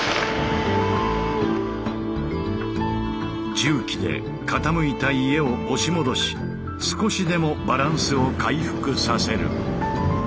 重機で傾いた家を押し戻し少しでもバランスを回復させる。